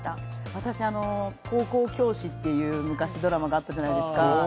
私、『高校教師』という昔、ドラマがあったじゃないですか。